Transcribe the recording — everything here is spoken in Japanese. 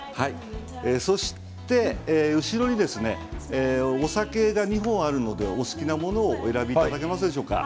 そして後ろにお酒が２本あるのでお好きなものをお選びいただけますでしょうか。